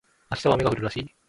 明日は雨が降るらしい